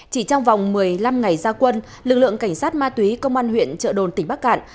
chỉ trong vòng một mươi năm ngày gia quân lực lượng cảnh sát ma túy công an huyện trợ đồn tỉnh bắc cạn